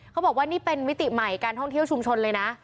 เขาบอกว่านี่เป็นมิติใหม่การท่องเที่ยวชุมชนเลยนะ